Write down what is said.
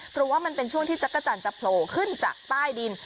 เพราะว่ามันเป็นช่วงที่จักรจันทร์จะโผล่ขึ้นจากใต้ดิน